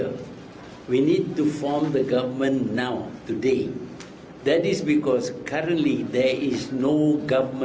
pemilu najib sebagai pemerintahan intern sekarang sudah berakhir